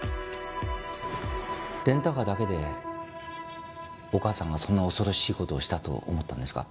レンタカーだけでお母さんがそんな恐ろしい事をしたと思ったんですか？